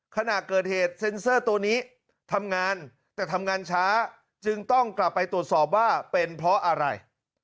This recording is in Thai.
ขณะเกิดเหตุเซ็นเซอร์ตัวนี้ทำงานแต่ทำงานช้าจึงต้องกลับไปตรวจสอบว่าเป็นเพราะอะไร